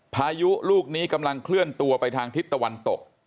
พายุลูกนี้กำลังเคลื่อนตัวไปทางทิศตะวันตก